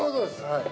はい